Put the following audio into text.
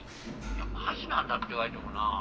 いや「マジなんだ」って言われてもなぁ。